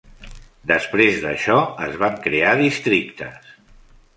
Després d'això, es van crear districtes.